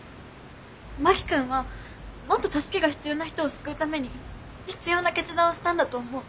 真木君はもっと助けが必要な人を救うために必要な決断をしたんだと思う。